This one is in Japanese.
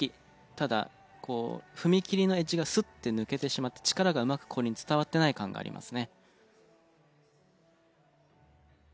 ただ踏み切りのエッジがスッて抜けてしまって力がうまく氷に伝わっていない感がありますね。